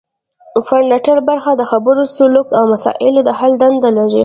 فرنټل برخه د خبرو سلوک او مسایلو د حل دنده لري